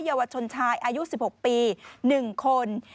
เยาวชนชายอายุ๑๖ปี๑คน